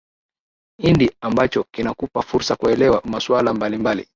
indi ambacho kinakupa fursa kuelewa masuala mbalimbali